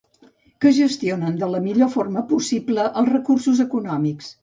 Que gestionen de la millor forma possible els recursos econòmics.